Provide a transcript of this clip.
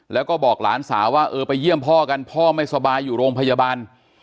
แล้วก็บอกหลานสาวว่าเออไปเยี่ยมพ่อกันพ่อไม่สบายอยู่โรงพยาบาล